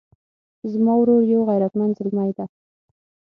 زما ورور یو غیرتمند زلمی ده